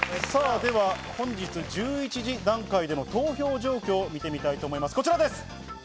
では本日１１時段階での投票状況を見てみたいと思います。